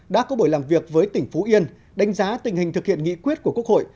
đã có buổi làm việc với tỉnh phú yên đánh giá tình hình thực hiện nghị quyết của quốc hội